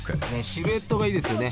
シルエットがいいですよね。